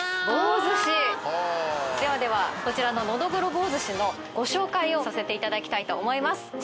棒鮨ではではこちらののどぐろ棒鮨のご紹介をさせていただきたいと思います。